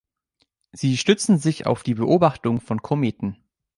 Sie stützten sich auf die Beobachtung von Kometen.